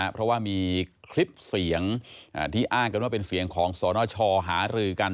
เพราะว่ามีคลิปเสียงที่อ้างกันว่าเป็นเสียงของสนชหารือกัน